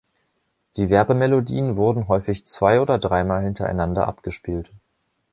Die Werbemelodien wurden häufig zwei oder drei Mal hintereinander abgespielt.